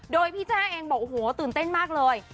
โดยพี่แจ้เองบอกโอ้โหตื่นเต้นมากเลย